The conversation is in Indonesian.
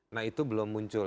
nah itu belum muncul